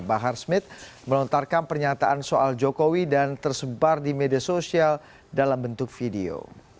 bahar smith melontarkan pernyataan soal jokowi dan tersebar di media sosial dalam bentuk video